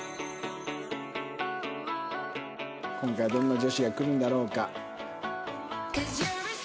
今回はどんな女子が来るんだろうか。